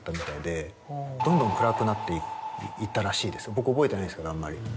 僕覚えてないですけどあんまり。